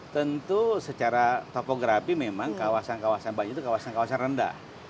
tentu secara topografi memang kawasan kawasan banjir itu kawasan kawasan rendah